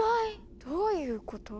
どういうこと？